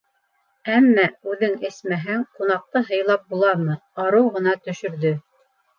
Әммә, үҙең эсмәһәң, ҡунаҡты һыйлап буламы - арыу ғына төшөрҙө.